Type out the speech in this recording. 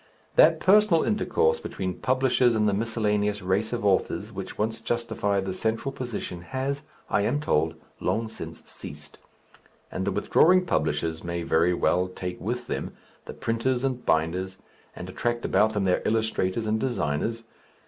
That personal intercourse between publishers and the miscellaneous race of authors which once justified the central position has, I am told, long since ceased. And the withdrawing publishers may very well take with them the printers and binders, and attract about them their illustrators and designers....